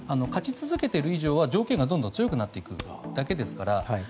勝ち続けている以上は条件がどんどん強くなっていくだけですから。